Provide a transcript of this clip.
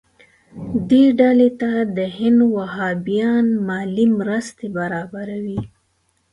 دې ډلې ته د هند وهابیان مالي مرستې برابروي.